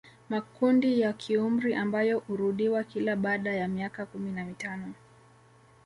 Makundi ya kiumri ambayo urudiwa kila baada ya miaka kumi na mitano